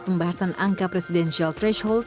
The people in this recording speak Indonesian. pembahasan angka presidensial threshold